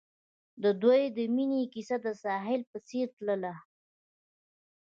د دوی د مینې کیسه د ساحل په څېر تلله.